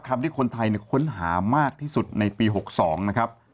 ที่คนไทยค้นหามากที่สุดในปี๖๒นะครับ